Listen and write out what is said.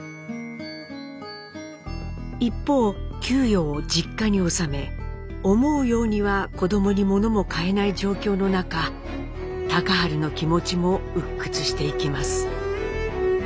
一方給与を実家に収め思うようには子どもに物も買えない状況の中隆治の気持ちも鬱屈していきます。